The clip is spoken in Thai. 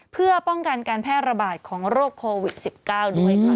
เพื่อป้องกันการแพร่ระบาดของโรคโควิด๑๙ด้วยค่ะ